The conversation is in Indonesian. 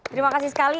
terima kasih sekali